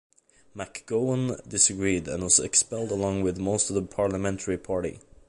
McGowen disagreed and was expelled along with most of the parliamentary party.